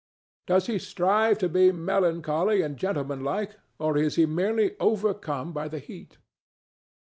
Does he strive to be melancholy and gentlemanlike, or is he merely overcome by the heat?